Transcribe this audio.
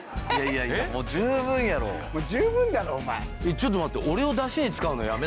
ちょっと待って。